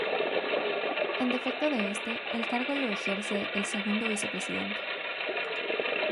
En defecto de este, el cargo lo ejerce el segundo vicepresidente.